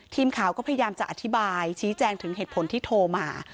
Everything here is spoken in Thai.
ทีมข่าวก็พยายามจะอธิบายชี้แจงถึงเหตุผลที่โทรมา